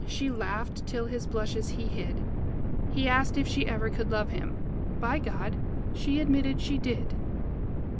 She laughed till his blushes he hid. He asked if she ever could love him. By God, she admitted she did.